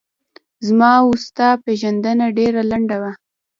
زما و ستا پیژندنه ډېره لڼده وه